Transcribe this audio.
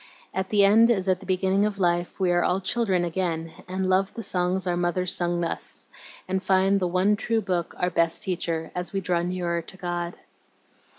At the end as at the beginning of life we are all children again, and love the songs our mothers sung us, and find the one true Book our best teacher as we draw near to God."